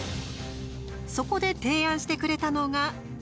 そこで提案してくれたのが。